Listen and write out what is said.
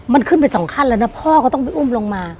มันขึ้นไปสองขั้นแล้วนะพ่อก็ต้องไปอุ้มลงมา